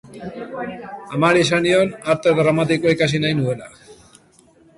Amari esan nion Arte Dramatikoa ikasi nahi nuela.